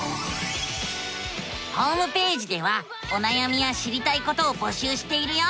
ホームページではおなやみや知りたいことをぼしゅうしているよ。